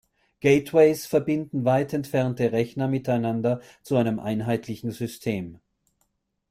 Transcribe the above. Gateways verbinden weit entfernte Rechner miteinander zu einem einheitlichen System.